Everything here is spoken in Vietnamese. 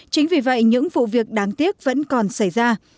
chính vì vậy những vụ việc đáng tiếc vẫn còn xảy ra